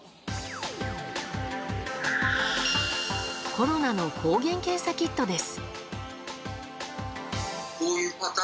コロナの抗原検査キットです。